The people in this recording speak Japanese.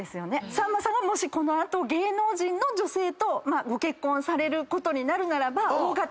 さんまさんがもしこの後芸能人の女性とご結婚されることになるならば。